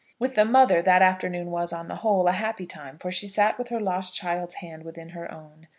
With the mother that afternoon was, on the whole, a happy time, for she sat with her lost child's hand within her own.